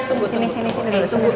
tunggu tunggu tunggu